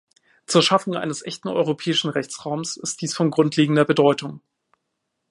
Zur Schaffung eines echten europäischen Rechtsraums ist dies von grundlegender Bedeutung.